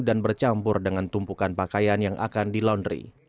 dan bercampur dengan tumpukan pakaian yang akan di laundry